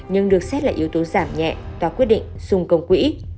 nhưng được xét là yếu tố giảm nhẹ tòa quyết định xung công quỹ